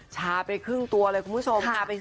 ชาไปครึ่งตัวเลยคุณผู้ชมค่ะ